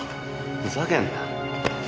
ふざけんな。